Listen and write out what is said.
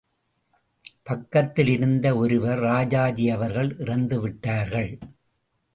பக்கத்தில் இருந்த ஒருவர் ராஜாஜி அவர்கள் இறந்துவிட்டர்கள்.